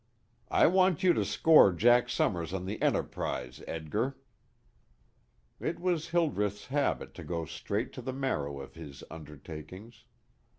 "I want you to score Jack Summers in the Enterprise, Edgar." It was Hildreth's habit to go straight to the marrow of his undertakings.